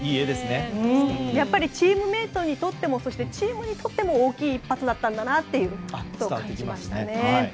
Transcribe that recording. チームメートにとってもチームにとっても大きい一発だったんだなと感じましたね。